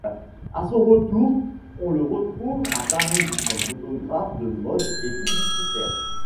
À son retour, on le retrouve à Paris comme photographe de mode et publicitaire.